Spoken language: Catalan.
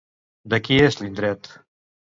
De qui és, l'indret?